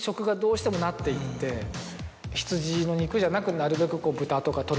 羊の肉じゃなくなるべく。